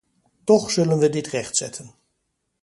Toch zullen we dit rechtzetten.